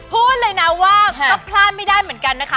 พูดเลยนะว่าก็พลาดไม่ได้เหมือนกันนะคะ